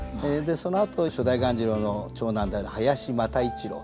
そのあと初代鴈治郎の長男である林又一郎